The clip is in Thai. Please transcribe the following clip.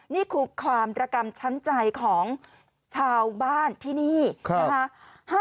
นี่คือความระกรรมช้ำใจของชาวบ้านที่นี่นะคะ